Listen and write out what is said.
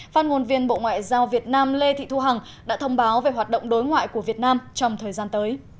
phát ngôn viên bộ ngoại giao việt nam lê thị thu hằng đã thông báo về hoạt động đối ngoại của việt nam trong thời gian tới